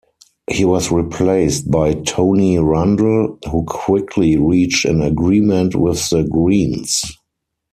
He was replaced by Tony Rundle, who quickly reached an agreement with the Greens.